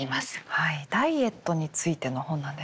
ダイエットについての本なんですね。